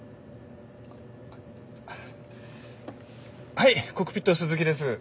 はいコックピット鈴木です。